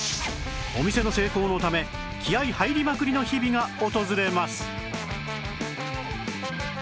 お店の成功のため気合入りまくりの日々が訪れます